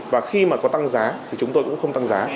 và khi mà có tăng giá thì chúng tôi cũng không tăng giá